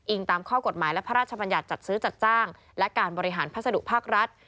ตามข้อกฎหมายและพระราชบัญญัติจัดซื้อจัดจ้างและการบริหารพัสดุภาครัฐ